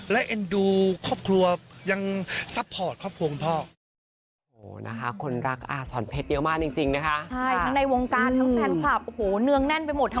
และเอ็นดูครอบครัวยังซัพพอร์ตครอบครัวของพ่อ